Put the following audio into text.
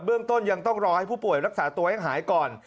เรื่องต้นยังต้องรอให้ผู้ป่วยรักษาตัวให้หายก่อน